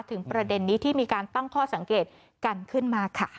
ประเด็นนี้ที่มีการตั้งข้อสังเกตกันขึ้นมาค่ะ